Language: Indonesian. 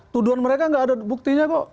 tuduhan mereka nggak ada buktinya kok